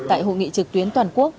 tại hội nghị trực tuyến toàn quốc